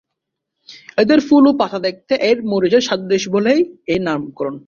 এদের ফুল ও পাতা দেখতে এর মরিচের সাদৃশ্য বলেই এ নামকরণ।